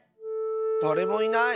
だれもいない。